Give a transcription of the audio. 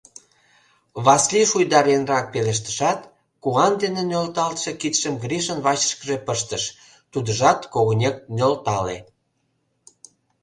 — Васлий шуйдаренрак пелештышат, куан дене нӧлталше кидшым Гришын вачышкыже пыштыш, тудыжат когынек нӧлтале.